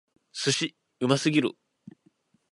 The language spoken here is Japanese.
寿司！うますぎる！